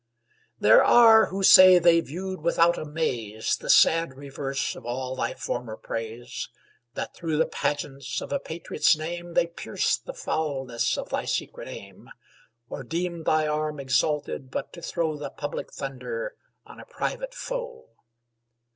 There are who say they viewed without amaze The sad reverse of all thy former praise; That through the pageants of a patriot's name, They pierced the foulness of thy secret aim; Or deemed thy arm exalted but to throw The public thunder on a private foe.